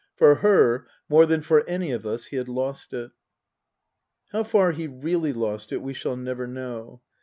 For her, more than for any of us, he had lost it. How far he really lost it we shall never know.